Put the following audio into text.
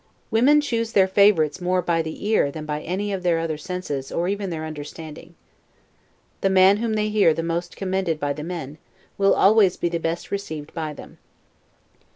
Women choose their favorites more by the ear than by any other of their senses or even their understandings. The man whom they hear the most commended by the men, will always be the best received by them.